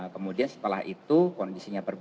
kemudian setelah itu kondisinya berbeda